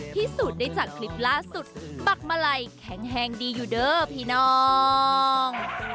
ที่สูตรได้จากคลิปล่าสุดบักมาลัยแข็งดีอยู่เด้อพี่น้อง